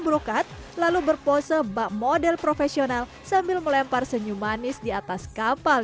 brokat lalu berpose bak model profesional sambil melempar senyum manis di atas kapal